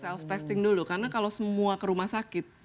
self testing dulu karena kalau semua ke rumah sakit